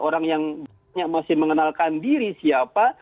orang yang masih mengenalkan diri siapa